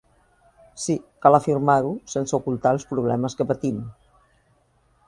Sí, cal afirmar-ho sense ocultar els problemes que patim.